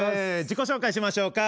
自己紹介しましょうか。